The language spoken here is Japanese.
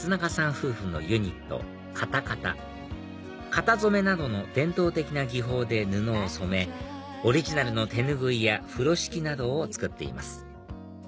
夫婦のユニットｋａｔａｋａｔａ型染めなどの伝統的な技法で布を染めオリジナルの手拭いや風呂敷などを作っています